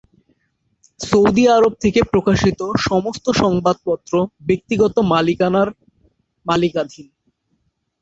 Saudi Arab থেকে প্রকাশিত সমস্ত সংবাদপত্র ব্যক্তিগত মালিকানার মালিকানাধীন।